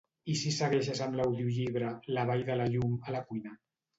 I si segueixes amb l'audiollibre "La vall de la llum" a la cuina?